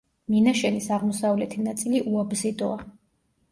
მინაშენის აღმოსავლეთი ნაწილი უაბსიდოა.